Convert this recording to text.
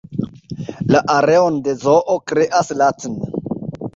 La areon de zoo kreas la tn.